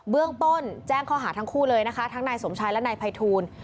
เบื้องต้นแจ้งข้อหาทั้งคู่เลยนะคะทั้งนายสมชายและนายภัยทูล